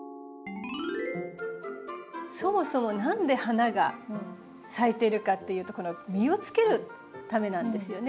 そもそも何で花が咲いてるかっていうとこの実をつけるためなんですよね。